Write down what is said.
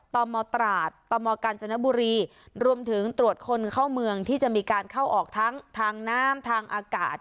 ตมตราดตมกาญจนบุรีรวมถึงตรวจคนเข้าเมืองที่จะมีการเข้าออกทั้งทางน้ำทางอากาศ